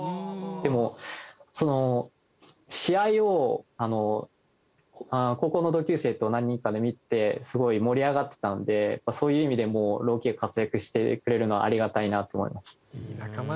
でもその試合を高校の同級生と何人かで見てすごい盛り上がってたのでやっぱそういう意味でも朗希が活躍してくれるのはありがたいなと思いました。